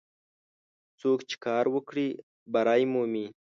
څوک چې کار وکړي، بری مومي.